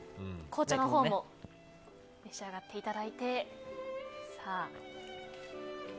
紅茶のほうも召し上がっていただいて。